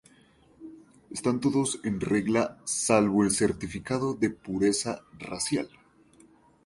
Están todos en regla salvo el Certificado de Pureza Racial.